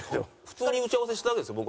普通に打ち合わせしたんですよ。